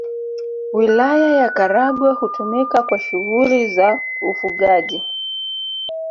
Wilaya ya Karagwe hutumika kwa shughuli za ufugaji